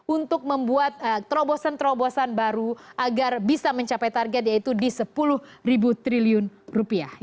untuk membuat terobosan terobosan baru agar bisa mencapai target yaitu di sepuluh triliun rupiah